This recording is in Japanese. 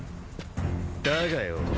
だがよ。